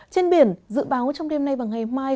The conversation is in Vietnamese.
trên biển dự báo trong đêm nay và ngày mai